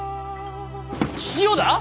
千代田ぁ！？